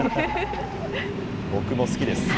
僕も好きです。